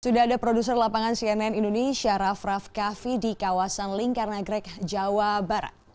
sudah ada produser lapangan cnn indonesia raff raff kaffi di kawasan lingkar nagrek jawa barat